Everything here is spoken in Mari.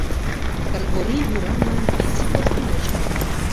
Кыргорий вӱраҥым изи кож тӱҥеш кылда.